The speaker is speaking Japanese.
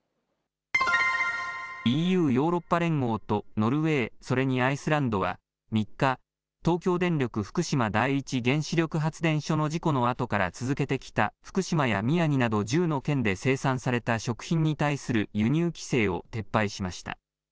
ＥＵ、ヨーロッパ連合とノルウェーそれにアイスランドは３日、東京電力福島第一原子力発電所の事故のあとから続けてきた福島や宮城など１０の県で生産された食品に対する輸入規制を撤廃しました。